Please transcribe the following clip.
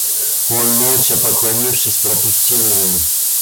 Он, молча поклонившись, пропустил ее.